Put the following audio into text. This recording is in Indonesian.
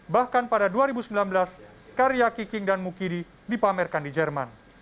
bahkan pada dua ribu sembilan belas karya kiking dan mukidi dipamerkan di jerman